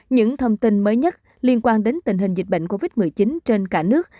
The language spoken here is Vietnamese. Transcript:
những thông tin mới nhất liên quan đến tình hình dịch bệnh covid một mươi chín trên cả nước